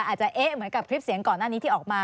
อาจจะเอ๊ะเหมือนกับคลิปเสียงก่อนหน้านี้ที่ออกมา